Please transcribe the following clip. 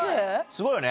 すごいよね